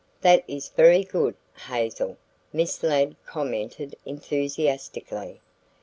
"That is very good, Hazel," Miss Ladd commented enthusiastically.